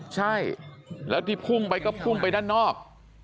ใช่แล้วที่พุ่งไปก็พุ่งไปด้านนอก